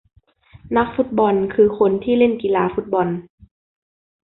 นักฟุตบอลคือคนที่เล่นกีฬาฟุตบอล